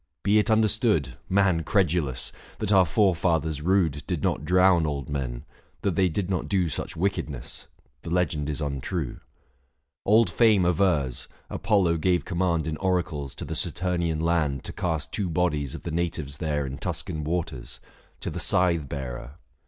Be it understood, Man credulous ! that our forefathers rude Did not drown old men — that they did not do Such wickedness — the legend is untrue. 710 Old Fame avers, Apollo gave command In oracles to the Satumian land To cast two bodies of the natives there In Tuscan waters, to the Scythe bearer.